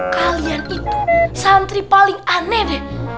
kalian itu santri paling aneh deh